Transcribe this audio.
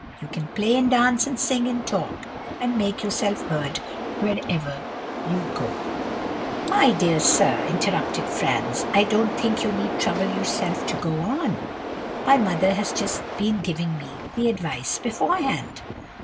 You can play, and dance, and sing, and talk, and make yourself heard wherever you go.' "'My dear sir,' interrupted Franz, 'I don't think you need trouble yourself to go on. My mother has just been giving me the advice beforehand.